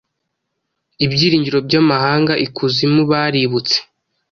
Ibyiringiro byamahanga ikuzimu baributse